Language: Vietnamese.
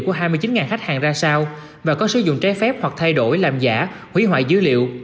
của hai mươi chín khách hàng ra sao và có sử dụng trái phép hoặc thay đổi làm giả hủy hoại dữ liệu